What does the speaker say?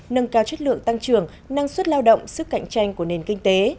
nâng cao chất lượng tăng trưởng năng suất lao động sức cạnh tranh của nền kinh tế